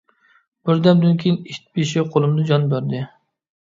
بىردەمدىن كىيىن ئىت بېشى قولۇمدا جان بەردى.